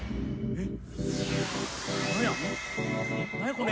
えっ！？